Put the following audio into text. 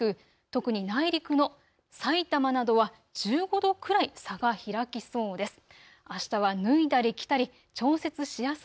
特に内陸のさいたまなどは１５度くらい差が開きそうです。